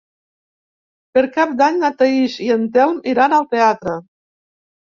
Per Cap d'Any na Thaís i en Telm iran al teatre.